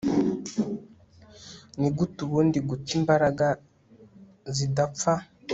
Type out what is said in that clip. Nigute ubundi guta imbaraga zidapfa